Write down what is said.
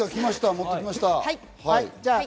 持ってきました。